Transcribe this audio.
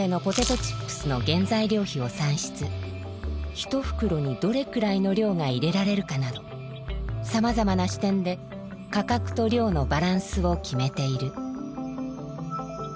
ひとふくろにどれくらいの量が入れられるかなどさまざまな視点で価格と量のバランスを決めている。